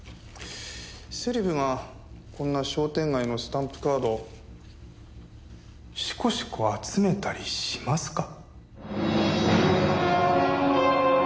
セレブがこんな商店街のスタンプカードしこしこ集めたりしますか？